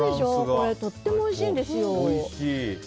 これ、とてもおいしいんですよ。